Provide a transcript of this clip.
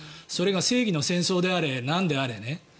それが正義の戦争であれなんであれね。